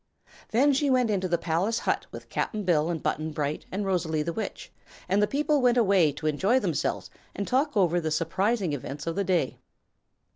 Then she went into the palace hut with Cap'n Bill and Button Bright and Rosalie the Witch, and the people went away to enjoy themselves and talk over the surprising events of the day.